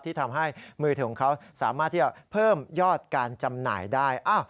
ที่ทำให้มือถือของเขาสามารถที่จะเพิ่มยอดการจำหน่ายได้